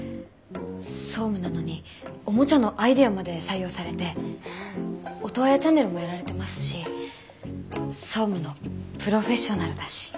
総務なのにおもちゃのアイデアまで採用されてオトワヤチャンネルもやられてますし総務のプロフェッショナルだし。